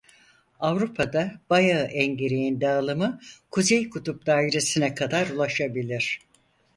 Avrupa'da bayağı engereğin dağılımı Kuzey Kutup dairesine kadar ulaşabilir.